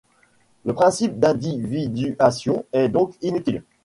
Le principe d'individuation est donc inutile.